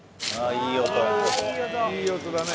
いい音だね。